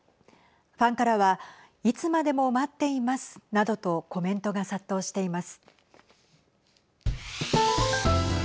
ファンからはいつまでも待っていますなどとコメントが殺到しています。